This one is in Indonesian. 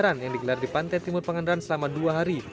perang yang digelar di pantai timur pengandaran selama dua hari